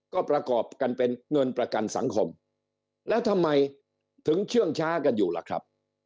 ก็ประกอบกันเป็นเงินประกันสังคมแล้วทำไมถึงเชื่องช้ากันอยู่ล่ะครับ